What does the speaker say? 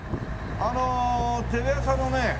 あのテレ朝のね